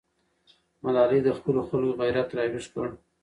ملالۍ د خپلو خلکو غیرت راویښ کړ.